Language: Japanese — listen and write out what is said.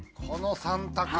この３択。